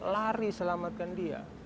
lari selamatkan dia